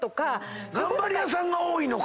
頑張り屋さんが多いのか？